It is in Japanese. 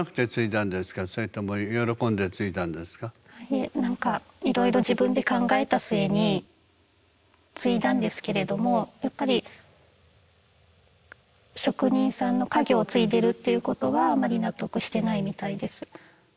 いえなんかいろいろ自分で考えた末に継いだんですけれどもやっぱり職人さんの家業を継いでるということはあんまり納得してないみたいです。